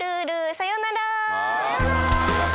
さようなら！